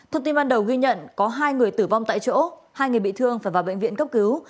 thông tin ban đầu ghi nhận có hai người tử vong tại chỗ hai người bị thương phải vào bệnh viện cấp cứu